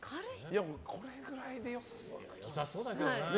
これぐらいでよさそうな気も。